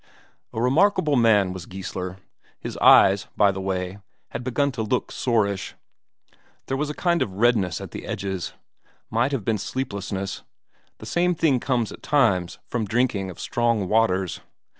A remarkable man was Geissler. His eyes, by the way, had begun to look soreish; there was a kind of redness at the edges. Might have been sleeplessness; the same thing comes at times from drinking of strong waters.